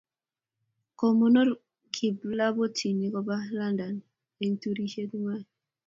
komonor kipllobotinik kobak Londan eng turishe ngwang.